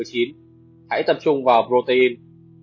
hãy tập trung vào protein